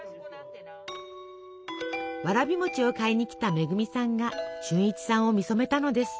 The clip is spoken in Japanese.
わらび餅を買いにきた恵さんが俊一さんを見初めたのです。